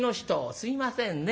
すいませんね。